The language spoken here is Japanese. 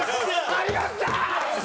有吉さん！